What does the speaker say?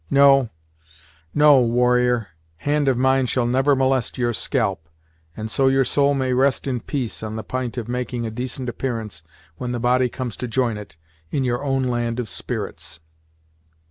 No, no, warrior, hand of mine shall never molest your scalp, and so your soul may rest in peace on the p'int of making a decent appearance when the body comes to join it, in your own land of spirits."